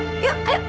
masuk yuk ayo masuk